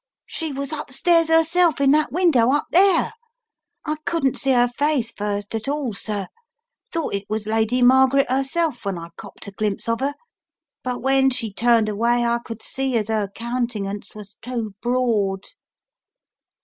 She was upstairs herself in that window up there. I couldn't see her face, first at all, sir — thought it was Lady Margaret 'erself when I copped a glimpse of 'er, but when she turned away I could see as her court tin gance was too broad."